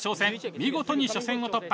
見事に初戦を突破。